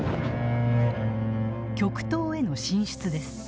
極東への進出です。